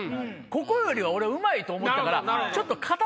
ここよりは俺うまいと思ってたから。